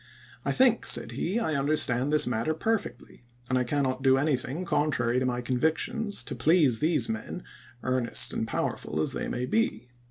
"I think," said he, " I understand this matter perfectly, and I cannot do anything contrary to my convic tions to please these men, earnest and powerful as they may be."